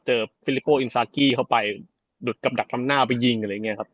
เจอฟิลิโปร์อินซาคีเข้าไปดดกำดักทำหน้าไปยิงอะไรอย่างเงี้ยครับ